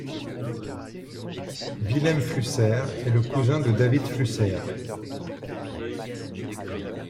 Vilém Flusser est le cousin de David Flusser.